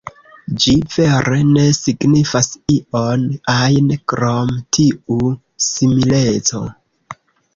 Ĝi vere ne signifas ion ajn krom tiu simileco.